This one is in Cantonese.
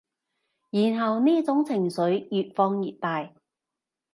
然後呢種情緒越放越大